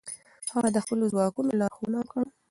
هغه د خپلو ځواکونو لارښوونه وکړه.